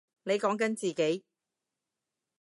你講緊自己？